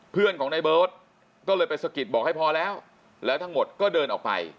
เพื่อนของในเบิร์ตก็เลยไปสะกิดบอกให้พอแล้วแล้วทั้งหมดก็เดินออกไป